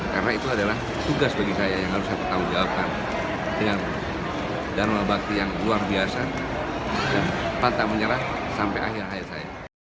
karena itu adalah tugas bagi saya yang harus saya pertanggungjawabkan dengan darah membakti yang luar biasa dan pantang menyerah sampai akhir hayat saya